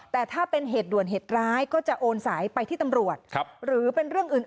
แต่ถ้าเป็นเหตุด่วนเหตุร้ายก็จะโอนสายไปที่ตำรวจหรือเป็นเรื่องอื่น